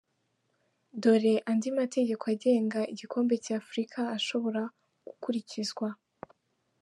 Dore andi mategeko agenga igikombe cy’Afurika ashobora gukurikizwa :.